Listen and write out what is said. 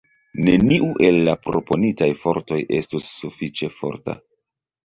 Neniu el la proponitaj fortoj estus sufiĉe forta.